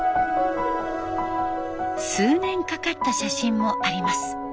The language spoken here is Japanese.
数年かかった写真もあります。